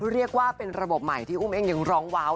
เรียกว่าเป็นระบบใหม่ที่อุ้มเองยังร้องว้าว